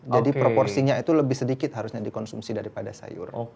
jadi proporsinya itu lebih sedikit harusnya dikonsumsi daripada sayur